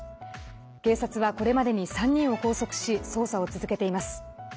警察は、これまでに３人を拘束し捜査を続けています。